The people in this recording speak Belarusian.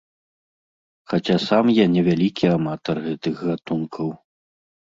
Хаця сам я не вялікі аматар гэтых гатункаў.